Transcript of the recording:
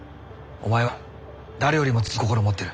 お前は誰よりも強い心を持ってる。